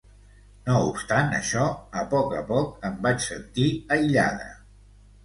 No obstant això, a poc a poc, em vaig sentir aïllada.